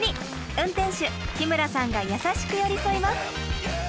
運転手日村さんが優しく寄り添います。